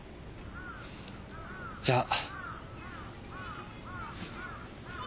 じゃあ。